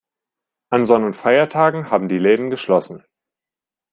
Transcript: An Sonn- und Feiertagen haben die Läden geschlossen.